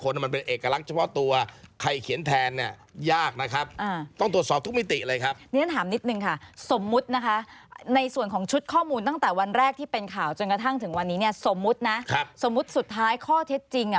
สมมุตินะสมมุติสุดท้ายข้อเท็จจริง